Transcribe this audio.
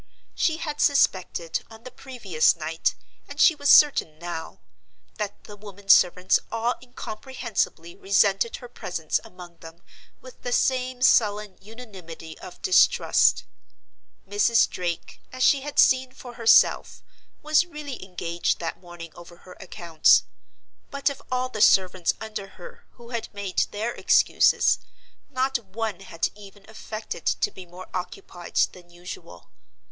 She had suspected, on the previous night, and she was certain now, that the women servants all incomprehensibly resented her presence among them with the same sullen unanimity of distrust. Mrs. Drake, as she had seen for herself, was really engaged that morning over her accounts. But of all the servants under her who had made their excuses not one had even affected to be more occupied than usual.